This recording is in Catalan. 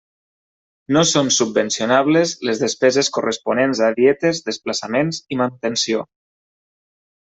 No són subvencionables les despeses corresponents a dietes, desplaçaments i manutenció.